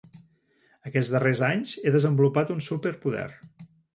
Aquests darrers anys he desenvolupat un súperpoder.